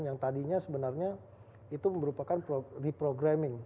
yang tadinya sebenarnya itu merupakan reprograming